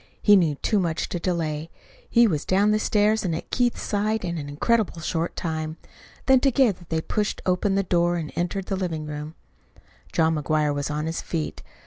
He knew too much to delay. He was down the stairs and at Keith's side in an incredibly short time. Then together they pushed open the door and entered the living room. John McGuire was on his feet.